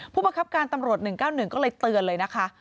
ผู้บังคับการตำรวจ๑๙๑ก็เลยเตือนเลยนะคะ